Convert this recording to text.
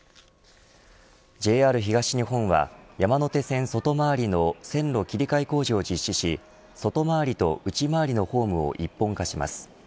ＪＲ東日本は、山手線外回りの線路切り替え工事を実施し外回りと内回りのホームを一本化します。